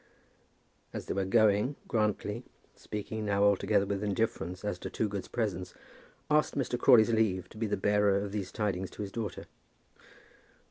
As they were going, Grantly, speaking now altogether with indifference as to Toogood's presence, asked Mr. Crawley's leave to be the bearer of these tidings to his daughter.